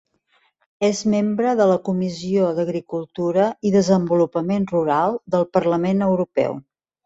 És membre de la Comissió d'Agricultura i Desenvolupament Rural del Parlament Europeu.